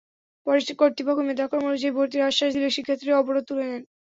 পরে কর্তৃপক্ষ মেধাক্রম অনুযায়ী ভর্তির আশ্বাস দিলে শিক্ষার্থীরা অবরোধ তুলে নেন।